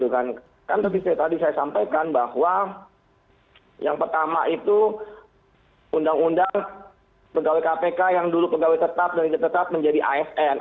kan seperti tadi saya sampaikan bahwa yang pertama itu undang undang pegawai kpk yang dulu pegawai tetap dan tetap menjadi asn